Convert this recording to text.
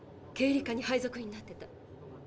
経理課に配属になってた。